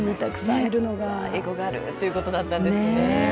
英語があるということだったんですね。